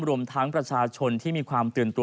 รวมทั้งประชาชนที่มีความตื่นตัว